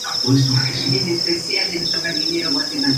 Tiene las siguientes subtribus.